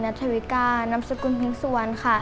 ทวิกานำสกุลพิงสุวรรณค่ะ